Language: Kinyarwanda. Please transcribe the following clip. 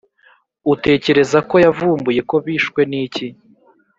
utekereza ko yavumbuye ko bishwe n’iki’